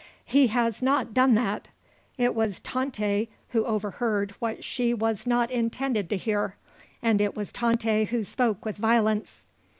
"He has not done that. It was Tante who overheard what she was not intended to hear. And it was Tante who spoke with violence."